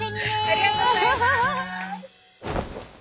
ありがとうございます。